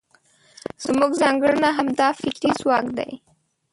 زموږ ځانګړنه همدا فکري ځواک دی.